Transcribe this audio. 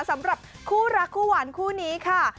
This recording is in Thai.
สำหรับคู่รักคู่หวานคู่นี้ค่ะ